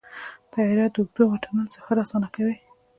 طیاره د اوږدو واټنونو سفر اسانه کوي.